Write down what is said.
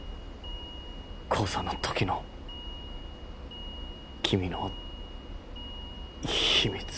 高３の時の君の秘密。